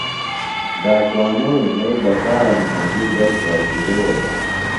ڈاکوانوم یھئی بکرام سنگیۡ تس گھشیۡ ہڑوۡ دےۡ